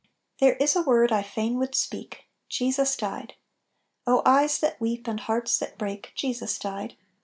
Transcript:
"There is a word I fain would speak, Jesus died! O eyes that weep, and hearts that break. Jesus died